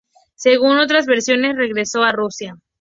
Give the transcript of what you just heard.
Según otras versiones, regresó a Rusia.